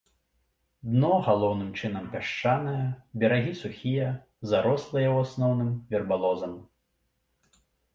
Дно галоўным чынам пясчанае, берагі сухія, зарослыя ў асноўным вербалозам.